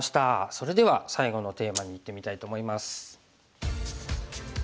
それでは最後のテーマにいってみたいと思います。